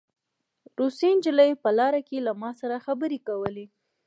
روسۍ نجلۍ په لاره کې له ما سره خبرې کولې